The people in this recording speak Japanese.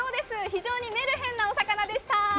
非常にメルヘンなお魚でした。